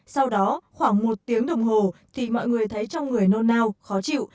sau đó khoảng một tiếng đồng hồ thì mọi người thấy trong người nôn nao khó chịu